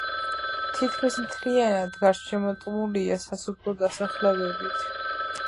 თითქმის მთლიანად გარსშემორტყმულია სასოფლო დასახლებებით.